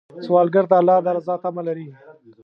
سوالګر د الله د رضا تمه لري